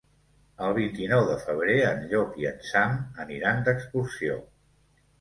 El vint-i-nou de febrer en Llop i en Sam aniran d'excursió.